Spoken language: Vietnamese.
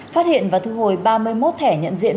phát hiện và thu hồi ba mươi một thẻ nhận diện